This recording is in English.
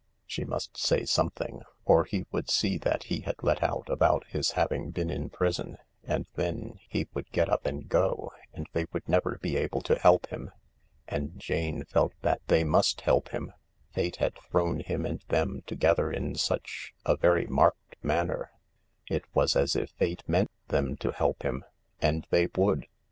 She must say something, or he would see that he had let out about his having been in prison, and then he would get up and go, and they would never be able to help him. And Jane felt that they must help him. Fate had thrown him and them to gether in such a very marked manner ; it was as if Fate meant them to help him. And they would.